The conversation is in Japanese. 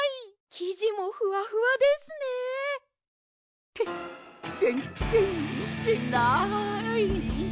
きじもふわふわですね！ってぜんぜんみてない！